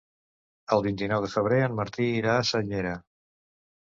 El vint-i-nou de febrer en Martí irà a Senyera.